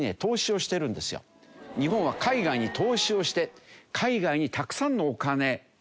日本は海外に投資をして海外にたくさんのお金を。